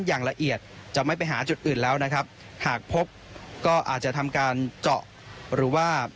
อย่างละเอียดจะไม่ไปหาจุดอื่นแล้วนะครับหากพบก็อาจจะทำการเจาะหรือว่า